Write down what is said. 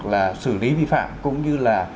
là xử lý vi phạm cũng như là